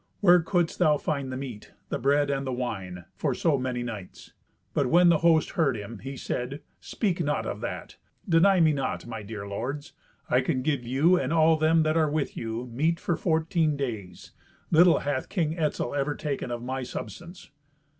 Where couldst thou find the meat, the bread and the wine, for so many knights?" But when the host heard him, he said, "Speak not of that. Deny me not, my dear lords. I can give you, and all them that are with you, meat for fourteen days. Little hath King Etzel ever taken of my substance."